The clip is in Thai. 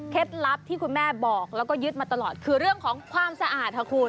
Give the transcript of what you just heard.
ลับที่คุณแม่บอกแล้วก็ยึดมาตลอดคือเรื่องของความสะอาดค่ะคุณ